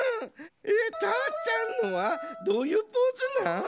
たーちゃんのはどういうポーズなん？